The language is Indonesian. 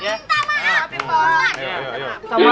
minta maaf bapak